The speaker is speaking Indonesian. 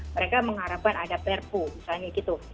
mereka mengharapkan ada perpu misalnya gitu